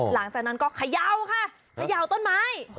หลังจากนั้นก็เขย่าค่ะเขย่าต้นไม้